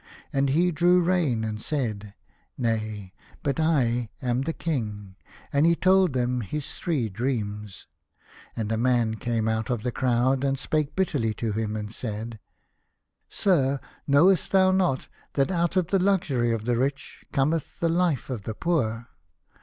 And he drew rein and said, " Nay, but I am the King." And he told them his three dreams. And a man came out of the crowd and spake bitterly to him, and said, " Sir, knowest A House of Pomegranates. thou not that out of the luxury of the rich cometh the life of the poor